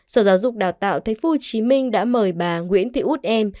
sở giáo dục đào tạo tp hcm đã mời bà nguyễn thị út em